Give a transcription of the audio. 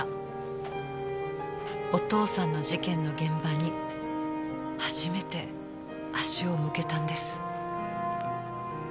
お父さんの事件の現場に初めて足を向けたんです。